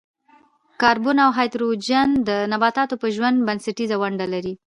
کاربن او هایدروجن د نباتاتو په ژوند کې بنسټیزه ونډه لري.